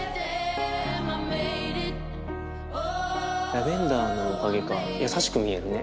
ラベンダーのおかげか優しく見えるね。